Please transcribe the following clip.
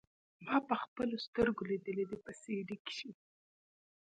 ما پخپلو سترګو ليدلي دي په سي ډي کښې.